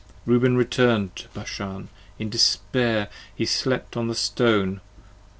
Reuben return'd to Bashan, in despair he slept on the Stone.